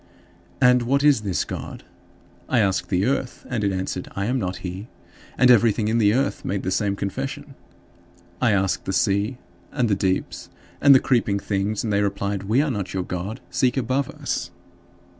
9. And what is this God? I asked the earth, and it answered, "I am not he"; and everything in the earth made the same confession. I asked the sea and the deeps and the creeping things, and they replied, "We are not your God; seek above us."